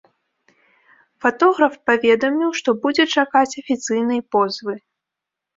Фатограф паведаміў, што будзе чакаць афіцыйнай позвы.